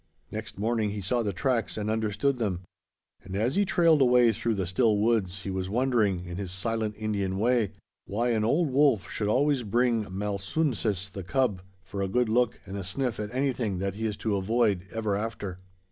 Next morning he saw the tracks and understood them; and as he trailed away through the still woods he was wondering, in his silent Indian way, why an old wolf should always bring Malsunsis, the cub, for a good look and a sniff at anything that he is to avoid ever after.